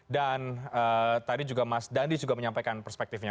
dan tadi juga mas dandi juga menyampaikan perspektifnya